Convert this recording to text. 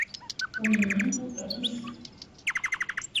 O inimigo é visto!